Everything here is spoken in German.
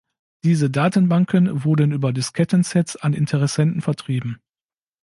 Diese Datenbanken wurden über Disketten-Sets an Interessenten vertrieben.